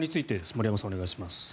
森山さん、お願いします。